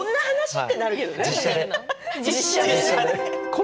実写で。